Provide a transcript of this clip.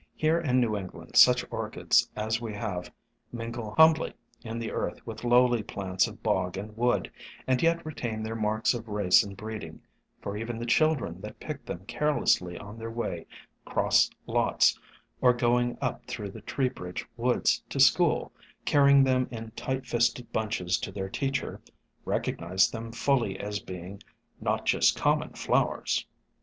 Here in New England such Orchids as we have mingle humbly in the earth with lowly plants of bog and wood, and yet retain their marks of race and breeding, for even the children that pick them carelessly on their way "'cross lots" or going up through the Tree bridge woods to school, carrying them in tight fisted bunches to their teacher, 126 SOME HUMBLE ORCHIDS recognize them fully as being "not just common flowers."